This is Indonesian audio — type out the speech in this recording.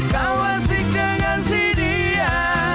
kau asik dengan si dia